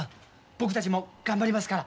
僕たちも頑張りますから。